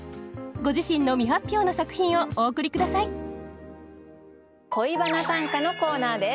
ご自身の未発表の作品をお送り下さい「恋バナ短歌」のコーナーです。